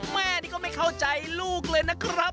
แม่นี่ก็ไม่เข้าใจลูกเลยนะครับ